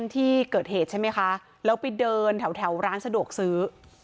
ที่เกิดเหตุใช่ไหมคะแล้วไปเดินแถวร้านสะดวกซื้อ